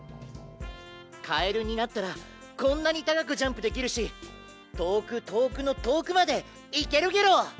カエルになったらこんなにたかくジャンプできるしとおくとおくのとおくまでいけるゲロ！